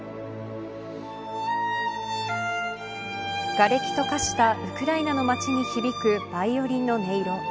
がれきと化したウクライナの町に響くバイオリンの音色。